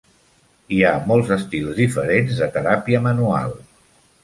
Hi ha molts estils diferents de teràpia manual.